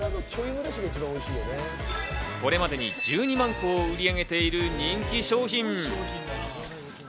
これまでに１２万個を売り上げている人気商品。